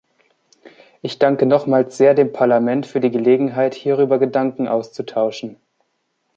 Ich danke nochmals sehr dem Parlament für die Gelegenheit, hierüber Gedanken auszutauschen.